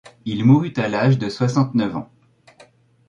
Il mourut à l'âge de soixante-neuf ans.